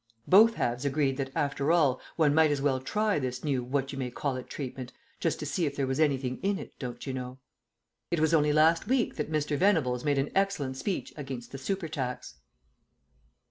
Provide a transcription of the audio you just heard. Both halves agreed that, after all, one might as well try this new what you may call it treatment, just to see if there was anything in it, don't you know. It was only last week that Mr. Venables made an excellent speech against the super tax.